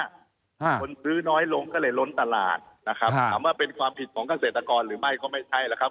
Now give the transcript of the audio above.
คนซื้อน้อยลงก็เลยล้นตลาดนะครับถามว่าเป็นความผิดของเกษตรกรหรือไม่ก็ไม่ใช่แล้วครับ